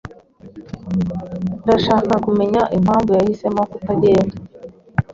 Ndashaka kumenya impamvu yahisemo kutagenda.